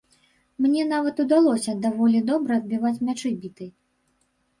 Мне нават удалося даволі добра адбіваць мячы бітай.